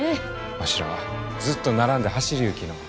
わしらはずっと並んで走りゆうきのう。